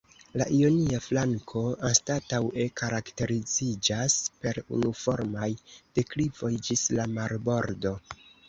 La ionia flanko anstataŭe karakteriziĝas per unuformaj deklivoj ĝis la marbordo.